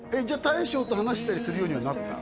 大将と話したりするようにはなった？